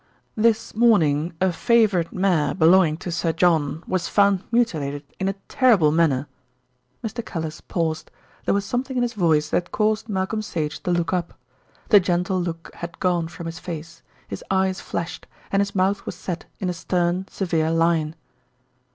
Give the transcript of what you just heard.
"This morning a favourite mare belonging to Sir John was found mutilated in a terrible manner " Mr. Callice paused; there was something in his voice that caused Malcolm Sage to look up. The gentle look had gone from his face, his eyes flashed, and his mouth was set in a stern, severe line.